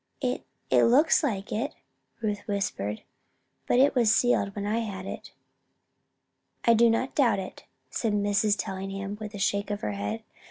"It it looks like it," Ruth whispered. "But it was sealed when I had it." "I do not doubt it," said Mrs. Tellingham, with a shake of her head.